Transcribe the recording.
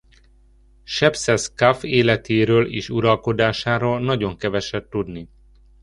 Sepszeszkaf életéről és uralkodásáról nagyon keveset tudni.